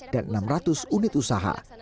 dan enam ratus unit usaha